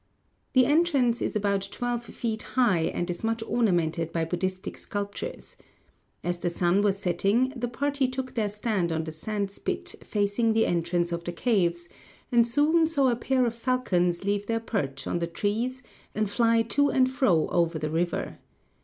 The entrance is about twelve feet high and is much ornamented by Buddhistic sculptures. As the sun was setting the party took their stand on the sand spit facing the entrance of the caves and soon saw a pair of falcons leave their perch on the trees and fly to and fro over the river.